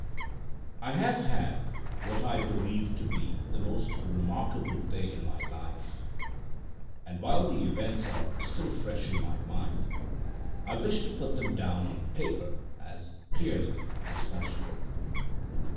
I have had what I believe to be the most remarkable day in my life, and while the events are still fresh in my mind, I wish to put them down on paper as clearly as possible.